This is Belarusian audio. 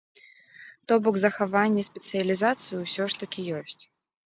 То бок, захаванне спецыялізацыі ўсё ж такі ёсць.